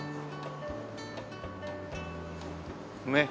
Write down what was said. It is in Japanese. ねっ。